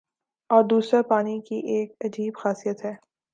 اور دوسرا پانی کی ایک عجیب خاصیت تھی